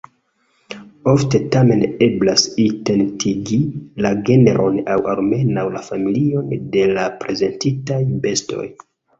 Ofte tamen eblas identigi la genron aŭ almenaŭ la familion de la prezentitaj bestoj.